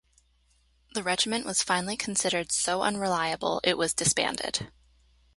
The regiment was finally considered so unreliable it was disbanded.